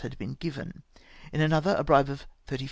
had been given ; in another a bribe of 35,000^.